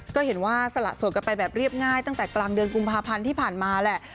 ก็เห็นว่าสละโสดกันไปแบบเรียบง่ายตั้งแต่กลางเดือนกุมภาพันธ์ที่ผ่านมาแหละ